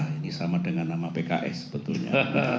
ini sama dengan nama pks sebetulnya